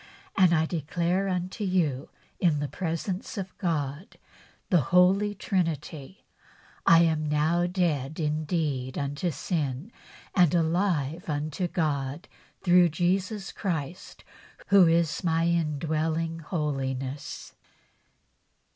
And I declare unto you in the presence of God the Holy Trinity I am now dead indeed unto sin and alive unto God, through Jesus Christ, who is my indwelling holiness."